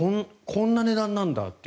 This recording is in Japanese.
こんな値段なんだって。